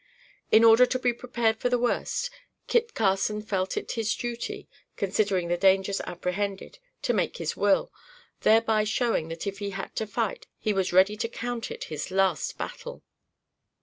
In order to be prepared for the worst, Kit Carson felt it his duty, considering the dangers apprehended, to make his will, thereby showing that if he had to fight he was ready to count it his last battle.